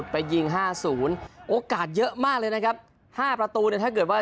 ไปยิง๕๐โอกาสเยอะมากเลยนะครับ๕ประตูเนี่ยถ้าเกิดว่า